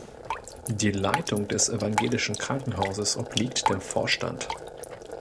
Die Leitung des Evangelischen Krankenhauses obliegt dem Vorstand.